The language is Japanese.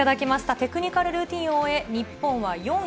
テクニカルルーティンを終え、日本は４位。